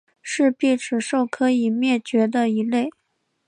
是鬣齿兽科已灭绝的一类。